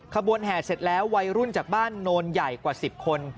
ขบวนแห่เสร็จแล้ววัยรุ่นจากบ้านโนนใหญ่กว่า๑๐คน